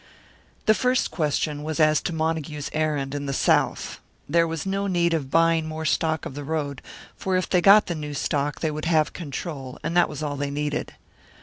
The first question was as to Montague's errand in the South. There was no need of buying more stock of the road, for if they got the new stock they would have control, and that was all they needed.